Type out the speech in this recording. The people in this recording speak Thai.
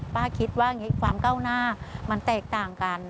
ป้าคิดว่าความก้าวหน้ามันแตกต่างกัน